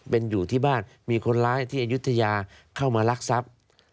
เป็นอยู่ที่บ้านมีคนร้ายที่อายุทยาเข้ามารักทรัพย์